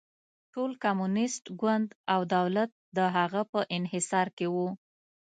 ټول کمونېست ګوند او دولت د هغه په انحصار کې و.